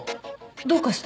どうかした？